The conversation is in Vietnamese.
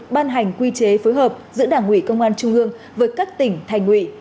ban hành quy chế phối hợp giữa đảng ủy công an trung ương với các tỉnh thành ủy